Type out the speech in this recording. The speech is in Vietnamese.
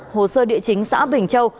hồ sơ địa chính xã bình châu